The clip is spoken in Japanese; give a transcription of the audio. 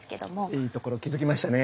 いいところ気付きましたね。